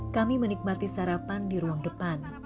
kami menikmati sarapan di ruang depan